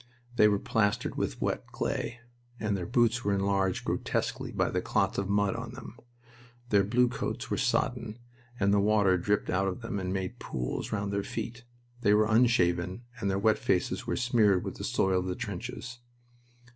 They were plastered with wet clay, and their boots were enlarged grotesquely by the clots of mud on them. Their blue coats were soddened, and the water dripped out of them and made pools round their feet. They were unshaven, and their wet faces were smeared with the soil of the trenches.